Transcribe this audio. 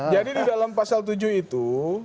di dalam pasal tujuh itu